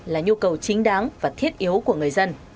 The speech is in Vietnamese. là nhu cầu chính đáng và thiết yếu của người dân